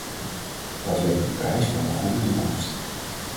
Dat leek de prijs voor een goede toekomst.